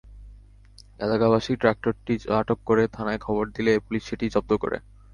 এলাকাবাসী ট্রাক্টরটি আটক করে থানায় খবর দিলে পুলিশ সেটি জব্দ করে।